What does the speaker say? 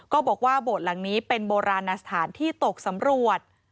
ก็บอกว่าโบสถ์หลังนี้เป็นโบราณสถานที่ตกสำรวจ